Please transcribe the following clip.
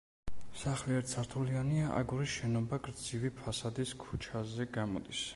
სახლი ერთსართულიანია აგურის შენობა გრძივი ფასადით ქუჩაზე გამოდის.